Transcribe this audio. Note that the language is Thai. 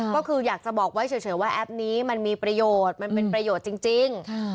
ก็คืออยากจะบอกไว้เฉยว่าแอปนี้มันมีประโยชน์มันเป็นประโยชน์จริง